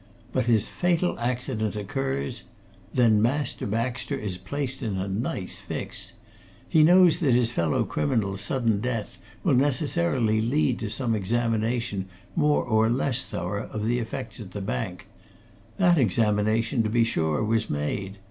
But his fatal accident occurs. Then Master Baxter is placed in a nice fix! He knows that his fellow criminal's sudden death will necessarily lead to some examination, more or less thorough, of the effects at the bank. That examination, to be sure, was made.